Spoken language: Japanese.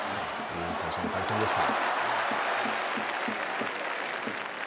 最初の対戦でした。